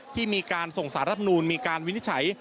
ที่มีการส่งสารรับนูลมีการวินิจฉัย